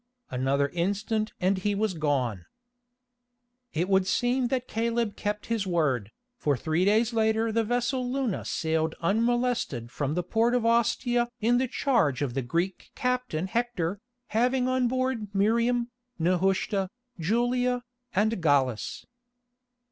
Another instant and he was gone. It would seem that Caleb kept his word, for three days later the vessel Luna sailed unmolested from the port of Ostia in the charge of the Greek captain Hector, having on board Miriam, Nehushta, Julia, and Gallus.